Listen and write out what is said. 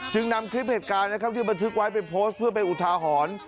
นำคลิปเหตุการณ์นะครับที่บันทึกไว้ไปโพสต์เพื่อเป็นอุทาหรณ์